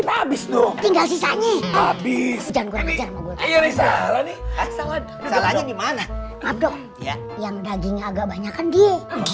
maaf dok yang dagingnya agak banyak kan dia